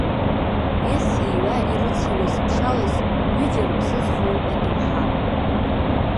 Ес ииуа ирыциуа Сыԥшалас, Ҩыџьа рыԥсы зхоу адоуҳа.